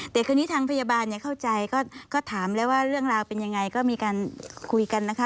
แต่คราวนี้ทางพยาบาลเข้าใจก็ถามแล้วว่าเรื่องราวเป็นยังไงก็มีการคุยกันนะคะ